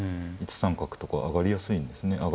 １三角とか上がりやすいですね。